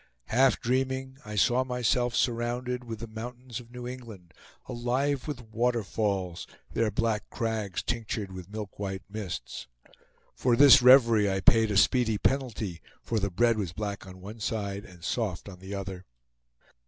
Half dreaming, I saw myself surrounded with the mountains of New England, alive with water falls, their black crags tinctured with milk white mists. For this reverie I paid a speedy penalty; for the bread was black on one side and soft on the other.